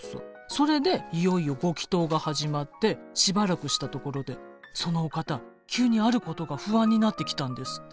それでいよいよご祈とうが始まってしばらくしたところでそのお方急にあることが不安になってきたんですって。